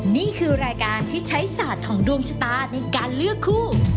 นี่คือรายการที่ใช้ศาสตร์ของดวงชะตาในการเลือกคู่